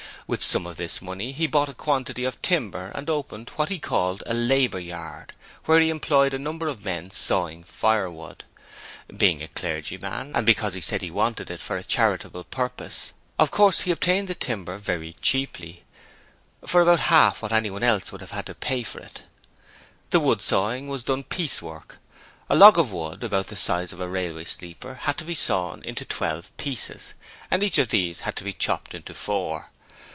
With some of this money he bought a quantity of timber and opened what he called a Labour Yard, where he employed a number of men sawing firewood. Being a clergyman, and because he said he wanted it for a charitable purpose, of course he obtained the timber very cheaply for about half what anyone else would have had to pay for it. The wood sawing was done piecework. A log of wood about the size of a railway sleeper had to be sawn into twelve pieces, and each of these had to be chopped into four.